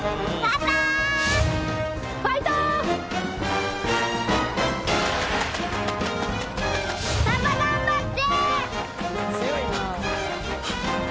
パパ頑張って。